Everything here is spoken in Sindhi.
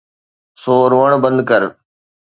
سو روئڻ بند ڪر.